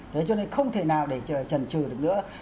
thế cho nên không thể nào để trần trừ được nữa